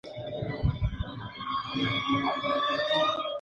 Algunas de ellas no coinciden con los números asignados por Schliemann.